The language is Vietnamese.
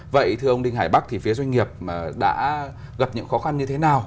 vậy thưa ông đinh hải bắc thì phía doanh nghiệp đã gặp những khó khăn như thế nào